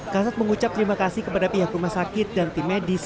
kasat mengucap terima kasih kepada pihak rumah sakit dan tim medis